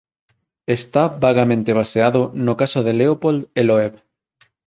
Está vagamente baseado no caso de Leopold e Loeb.